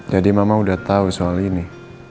jadi mama udah tau soal ini